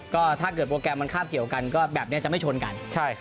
ก็ถ้าเกิดโปรแกรมมันคาบเกี่ยวกันก็แบบนี้จะไม่ชนกัน